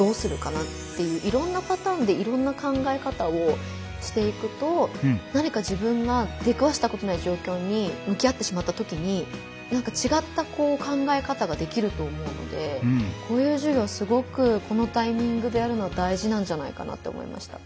いろんな考え方をしていくと何か自分が出くわしたことのない状況にむき合ってしまったときに何か違った考え方ができると思うのでこういう授業すごくこのタイミングでやるの大事なんじゃないかなって思いました。